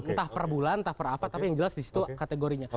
entah per bulan entah per apa tapi yang jelas disitu kategorinya